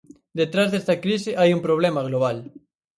Detrás desta crise hai un problema global.